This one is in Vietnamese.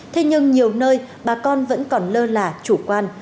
thế nhưng nhiều nơi bà con vẫn còn lơ là chủ quan